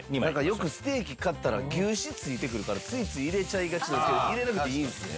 よくステーキ買ったら牛脂ついてくるからついつい入れちゃいがちですけど入れなくていいんですね？